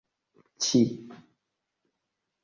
ĉi